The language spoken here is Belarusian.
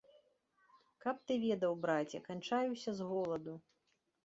Каб ты ведаў, браце, канчаюся з голаду.